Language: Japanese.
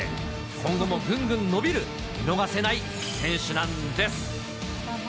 今後もぐんぐん伸びる、見逃せない選手なんです。